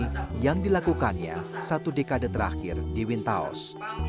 dan perjalanan sunyi yang dilakukannya satu dekade terakhir di wintaos